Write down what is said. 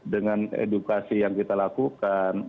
dengan edukasi yang kita lakukan